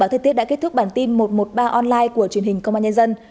thời tiết đã kết thúc bản tin một trăm một mươi ba online của truyền hình công an nhân dân